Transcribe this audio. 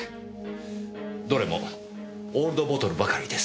どれもオールドボトルばかりです。